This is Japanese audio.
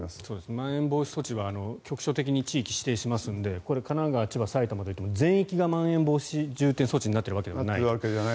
まん延防止措置は局所的に地域を指定するのでこれは神奈川、千葉、埼玉が全域がまん延防止等重点措置になっているわけではない。